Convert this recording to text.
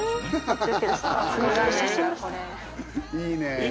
いいね。